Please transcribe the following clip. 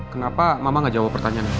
kenapa mama gak jawab pertanyaan